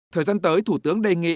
thời gian tới thủ tướng đề nghị